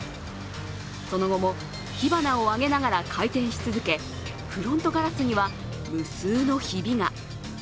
その後も火花を上げながら回転し続け、フロントガラスには無数のひびが。